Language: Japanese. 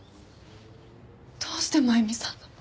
どうして真弓さんが？